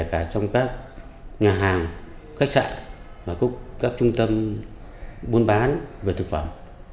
cả trong các nhà hàng khách sạn và các trung tâm buôn bán về thực phẩm